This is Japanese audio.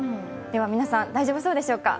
皆さん、大丈夫そうでしょうか。